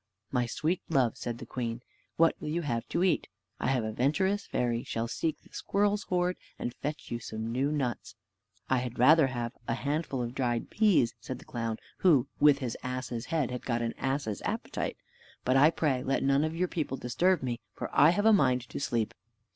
"My sweet love," said the queen, "what will you have to eat? I have a venturous fairy shall seek the squirrel's hoard, and fetch you some new nuts." "I had rather have a handful of dried pease," said the clown, who with his ass's head had got an ass's appetite. "But, I pray, let none of your people disturb me, for I have a mind to sleep."